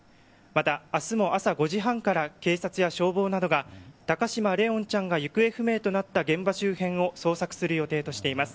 また、明日も朝５時半から警察や消防などが高嶋怜音ちゃんが行方不明となった現場周辺を捜索する予定としています。